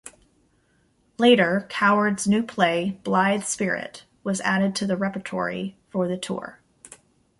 Later Coward's new play "Blithe Spirit" was added to the repertory for the tour.